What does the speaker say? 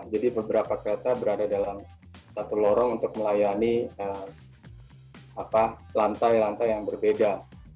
jadi beberapa kereta berada dalam satu lorong untuk melayani lantai lantai yang berbeda